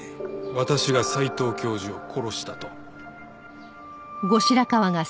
私が斎藤教授を殺したと？